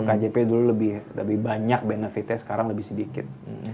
kjp dulu lebih banyak benefitnya sekarang lebih sedikit